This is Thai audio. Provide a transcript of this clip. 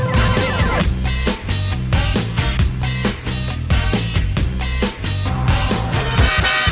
โปรดติดตามตอนต่อไป